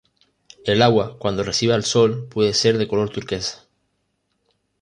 El agua, cuando recibe al sol puede ser de color turquesa.